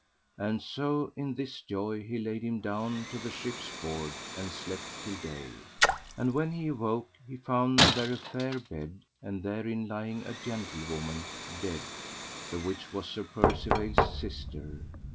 And so in this joy he laid him down to the ship's board, and slept till day. And when he awoke he found there a fair bed, and therein lying a gentlewoman dead, the which was Sir Percivale's sister.